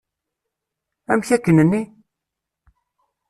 Amek akken-nni?